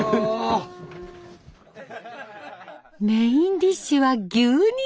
メインディッシュは牛肉。